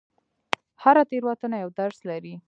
هره تېروتنه یو درس لري.